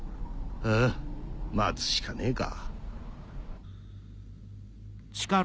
待つしかねえか。